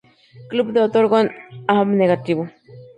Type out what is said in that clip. Club de otorgó un A-.